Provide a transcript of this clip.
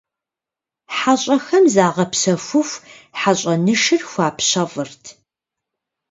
ХьэщӀэхэм загъэпсэхуху, хьэщӀэнышыр хуапщэфӏырт.